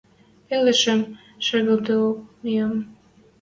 пӹлӹшем шагалтылок миэм.